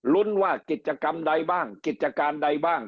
รุ้นว่ากิจกรรมใดบ้างกิจการใดบ้าง